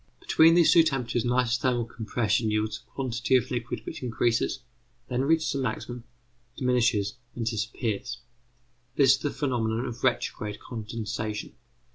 Between these two temperatures an isothermal compression yields a quantity of liquid which increases, then reaches a maximum, diminishes, and disappears. This is the phenomenon of retrograde condensation.